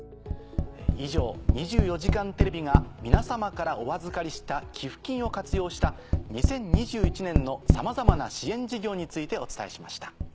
以上『２４時間テレビ』が皆様からお預かりした寄付金を活用した２０２１年のさまざまな支援事業についてお伝えしました。